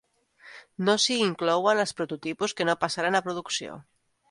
No s'hi inclouen els prototipus que no passaren a producció.